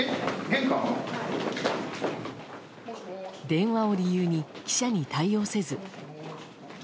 電話を理由に記者に対応せず。